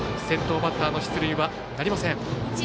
先頭バッターの出塁なりません。